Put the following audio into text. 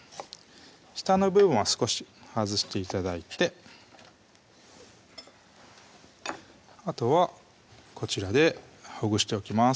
下の部分は少し外して頂いてあとはこちらでほぐしておきます